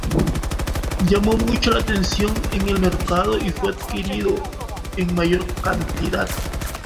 Llamó mucho la atención en el mercado y fue adquirido en mayor cantidad.